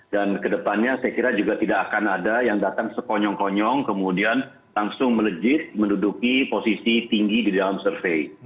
dan kedepannya saya kira juga tidak akan ada yang datang sekonyong konyong kemudian langsung melejit menduduki posisi tinggi didalam survei